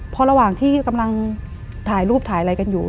พอระหว่างที่กำลังถ่ายรูปถ่ายอะไรกันอยู่